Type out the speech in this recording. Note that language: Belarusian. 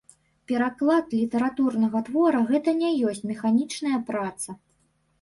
Пераклад літаратурнага твора гэта не ёсць механічная праца.